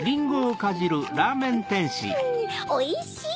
おいしい！